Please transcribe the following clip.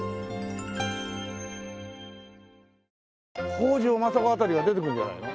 北条政子辺りが出てくるんじゃないの？